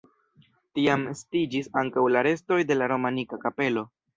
Tiam estiĝis ankaŭ la restoj de la romanika kapelo.